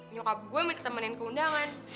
nyokap gue minta temenin keundangan